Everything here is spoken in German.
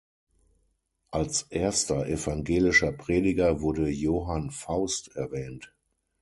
Als erster evangelischer Prediger wurde Johann Faust erwähnt.